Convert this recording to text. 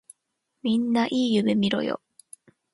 みんないい夢みろよ。